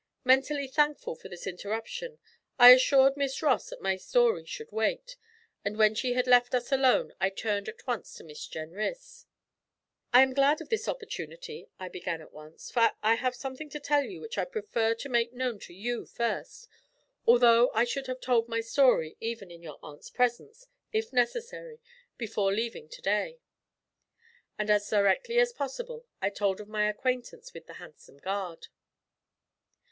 Mentally thankful for this interruption, I assured Miss Ross that my story should wait, and when she had left us alone I turned at once to Miss Jenrys. 'I am glad of this opportunity,' I began at once, 'for I have something to tell you which I prefer to make known to you first, although I should have told my story, even in your aunt's presence, if necessary, before leaving to day.' And as directly as possible I told of my acquaintance with the handsome guard.